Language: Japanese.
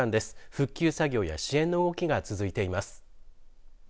復旧作業や支援の動きが続いています。